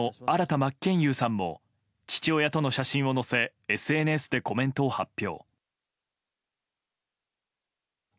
真剣佑さんも父親との写真を載せＳＮＳでコメントを発表。